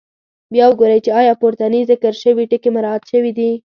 بیا وګورئ چې آیا پورتني ذکر شوي ټکي مراعات شوي دي.